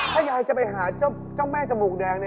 ถ้ายายจะไปหาเจ้าแม่จมูกแดง